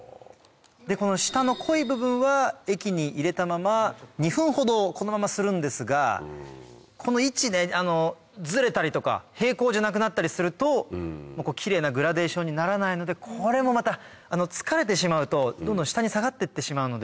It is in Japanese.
下の濃い部分は液に入れたまま２分ほどこのままするんですがこの位置ずれたりとか平行じゃなくなったりするとキレイなグラデーションにならないのでこれもまた疲れてしまうとどんどん下に下がってってしまうので。